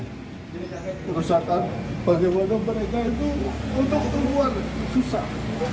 ini kerusakan bagaimana mereka itu untuk keluar susah